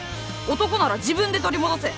男なら自分で取り戻せ